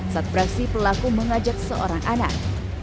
saat beraksi pelaku mengajak seorang anak